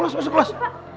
masuk ke kelas